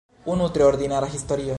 Unu tre ordinara historio.